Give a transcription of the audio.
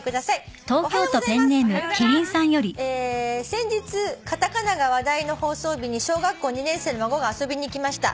「先日カタカナが話題の放送日に小学校２年生の孫が遊びに来ました」